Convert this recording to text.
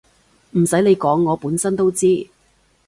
唔洗你講我本身都知